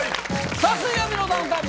さあ「水曜日のダウンタウン」